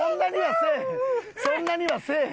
そんなにはせえへん。